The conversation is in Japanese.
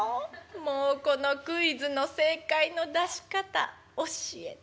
もうこのクイズの正解の出し方教えて。